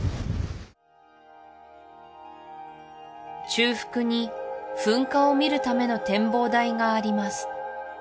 中腹に噴火を見るための展望台があります